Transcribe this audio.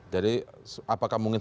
jadi apakah mungkin